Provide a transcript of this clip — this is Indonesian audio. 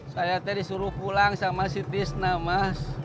saya tadi disuruh pulang sama si tisna mas